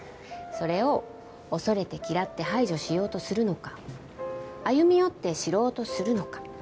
それを恐れて嫌って排除しようとするのか歩み寄って知ろうとするのか。